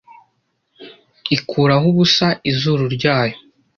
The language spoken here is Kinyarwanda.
ikuraho ubusa izuru ryayo